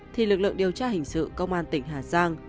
thì lực lượng điều tra hình sự công an tỉnh hà giang